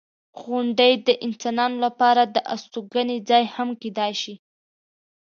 • غونډۍ د انسانانو لپاره د استوګنې ځای هم کیدای شي.